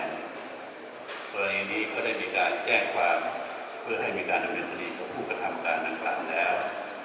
กรณีนี้ก็ได้มีการแจ้งความเพื่อให้มีการดำเนินคดีกับผู้กระทำการดังกล่าวแล้ว